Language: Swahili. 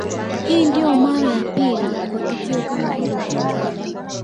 Hii ndio mara ya pili kwa tukio kama hilo kutokea